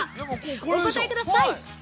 お答えください。